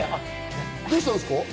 どうしたんですか？